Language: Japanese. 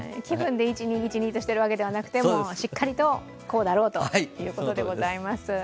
気分で１、２としているんではなくてしっかりとこうだろうということでございます。